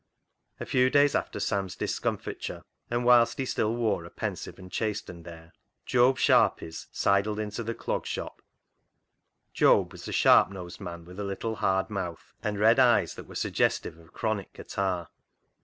A few days after Sam's discomfiture, and "HANGING HIS HAT UP" 67 whilst he still wore a pensive and chastened air, Job Sharpies sidled into the Clog Shop. Job was a sharp nosed man with a hard little mouth and red eyes that were suggestive of chronic catarrh.